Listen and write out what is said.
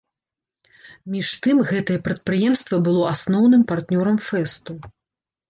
Між тым гэтае прадпрыемства было асноўным партнёрам фэсту.